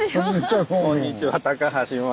こんにちはどうも。